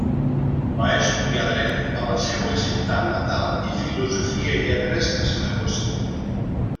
Va estudiar Dret a la seua ciutat natal i Filosofia i Lletres a Saragossa.